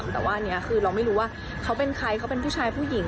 แต่ว่าอันนี้คือเราไม่รู้ว่าเขาเป็นใครเขาเป็นผู้ชายผู้หญิง